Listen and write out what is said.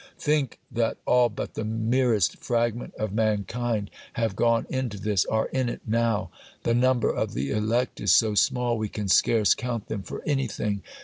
think that all but the merest fragment of mankind have gone into this, are in it now! The number of the elect is so small we can scarce count them for anything!